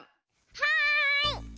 はい！